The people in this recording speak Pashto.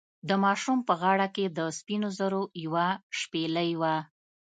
د ماشوم په غاړه کې د سپینو زرو یوه شپیلۍ وه.